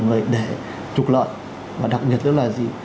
người để trục lợi và đặc biệt nữa là gì